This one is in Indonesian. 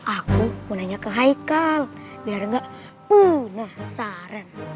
aku mau nanya ke haikal biar gak penasaran